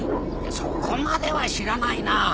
そこまでは知らないな。